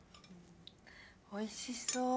おいしそ。